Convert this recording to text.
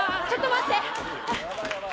ちょっと待って。